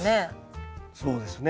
そうですね。